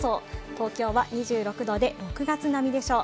東京は２６度で６月並みでしょう。